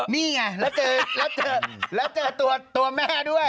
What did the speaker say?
นี่ไงแล้วเจอแล้วเจอตัวแม่ด้วย